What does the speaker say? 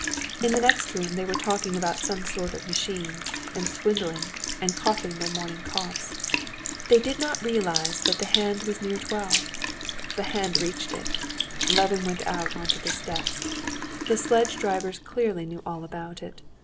In the next room they were talking about some sort of machines, and swindling, and coughing their morning coughs. They did not realize that the hand was near twelve. The hand reached it. Levin went out onto the steps. The sledge drivers clearly knew all about it.